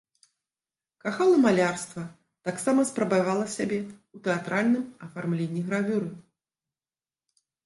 Кахала малярства, таксама спрабавала сябе ў тэатральным афармленні, гравюры.